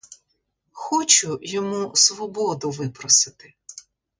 Хочу йому свободу випросити.